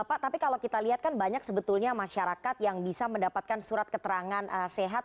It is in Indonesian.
pak tapi kalau kita lihat kan banyak sebetulnya masyarakat yang bisa mendapatkan surat keterangan sehat